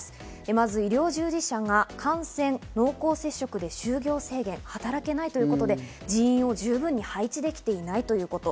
まず医療従事者が感染・濃厚接触で就業制限、働けないということで、人員を十分に配置できていないということ。